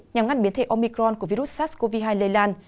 nhằm ngăn biến thể omicron của virus sars cov hai lây lan